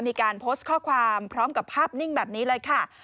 มีการโพสต์ข้อความพร้อมกับภาพนิ่งแบบนี้เลยค่ะ